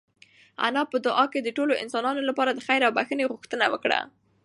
انا په دعا کې د ټولو انسانانو لپاره د خیر او بښنې غوښتنه وکړه.